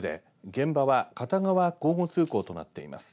現場は片側交互通行となっています。